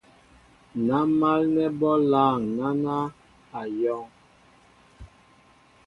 Ná málnɛ́ bɔ́ lâŋ náná , á yɔ̄ŋ.